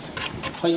はい